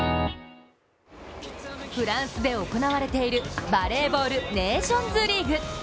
フランスで行われているバレーボール、ネーションズリーグ。